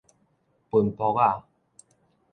歕泡仔